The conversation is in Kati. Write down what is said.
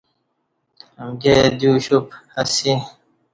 امکی اہ دیو اوشُپ اسی۔